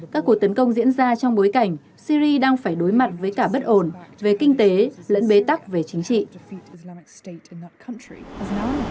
các cuộc tấn công diễn ra trong bối cảnh syri đang phải đối mặt với cả bất ổn về kinh tế lẫn bế tắc về chính trị